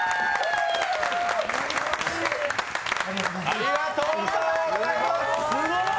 ありがとうございます！